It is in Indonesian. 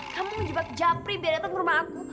kamu ngejebak japri biar dapet rumah aku